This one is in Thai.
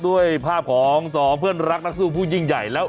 ด้วยภาพของสองเพื่อนรักนักสู้ผู้ยิ่งใหญ่แล้ว